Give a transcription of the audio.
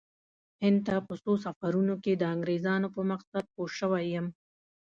هند ته په څو سفرونو کې د انګریزانو په مقصد پوه شوی یم.